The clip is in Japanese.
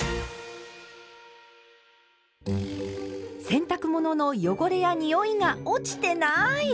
洗濯物の汚れやにおいが落ちてない！